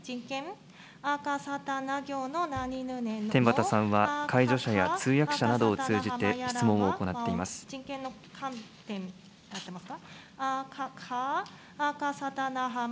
天畠さんは、介助者や通訳者などを通じて質問を行っています。